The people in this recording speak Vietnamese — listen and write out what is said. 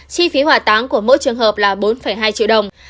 chi phí hỏa táng của mỗi trường hợp là bốn hai triệu đồng